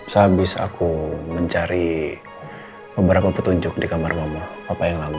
sehabis aku mencari beberapa petunjuk di kamar mama apa yang lalu